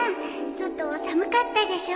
外寒かったでしょ？